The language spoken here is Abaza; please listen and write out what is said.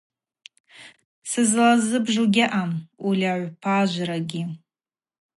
Сызлазыбжу гьаъам ульагӏвпажврагьи.